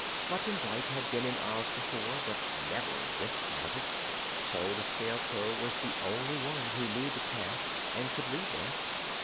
Button Bright had been in Oz before, but never in this part of it, so the Scarecrow was the only one who knew the paths and could lead them.